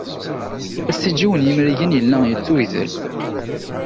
Asiǧǧew n yimrigen yella yettugdel.